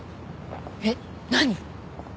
えっ何？